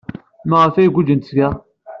Maɣef ay guǧǧent seg-a?